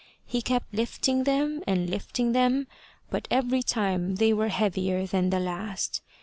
He kept lifting them and lifting them, but every time they were heavier than the last.